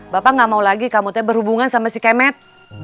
bapak nggak mau lagi kamu berhubungan sama si kemet